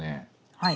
はい。